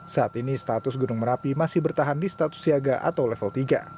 saat ini status gunung merapi masih bertahan di status siaga atau level tiga